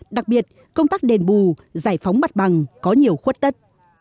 đặc biệt công tác đền bù giải phóng mặt bằng có nhiều khuất tất